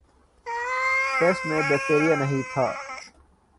test میں bacteria نہیں تھا